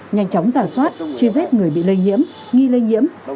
nhanh chóng giả soát truy vết người bị lây nhiễm nghi lây nhiễm